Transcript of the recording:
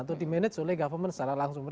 atau di manage oleh government secara langsung